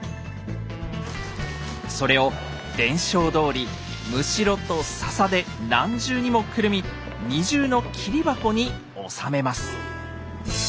それを伝承どおり筵と笹で何重にもくるみ二重の桐箱に収めます。